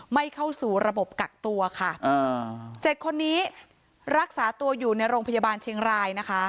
เข้าสู่ระบบกักตัวค่ะอ่าเจ็ดคนนี้รักษาตัวอยู่ในโรงพยาบาลเชียงรายนะคะ